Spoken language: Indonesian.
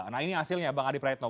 nah ini hasilnya bang adi praetno